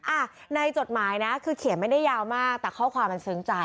อ่ะในจดหมายนะคือเขียนไม่ได้ยาวมากแต่ข้อความมันซึ้งใจ